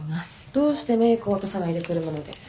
どうしてメークを落とさないで車まで？